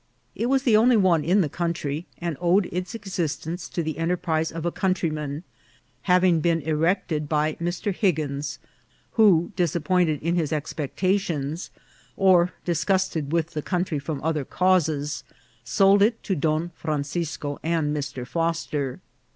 It was the only one in the country, and owed its existence to the enterprise of a countryman, having been erected by Mr. Higgins, who, disappointed in his expectations, or disgusted with the country from other causes, sold it to Don Francisco and Mr. Foster.